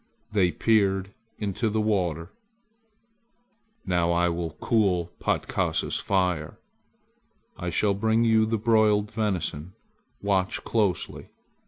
They peered into the water. "Now, I will cool Patkasa's fire. I shall bring you the broiled venison. Watch closely.